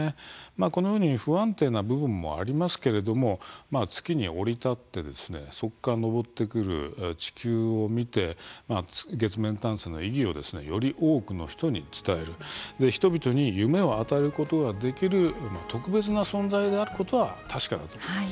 このように不安定な部分もありますけれども月に降り立ってそこから昇ってくる地球を見て月面探査の意義を広く世界に伝えるそして人々に夢を与えることができる特別な存在であることは確かなんです。